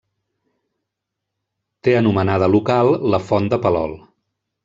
Té anomenada local la font de Palol.